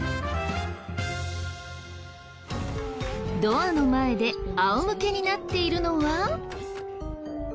ドアの前で仰向けになっているのは。